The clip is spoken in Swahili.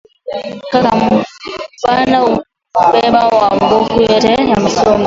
Kaka bana mubeba ma buku yote ya masomo